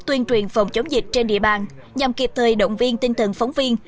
tuyên truyền phòng chống dịch trên địa bàn nhằm kịp thời động viên tinh thần phóng viên